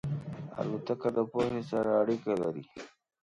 الوتکه د پوهې سره اړیکه لري.